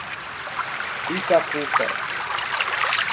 Itapuca